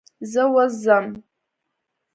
زه اوس ځم.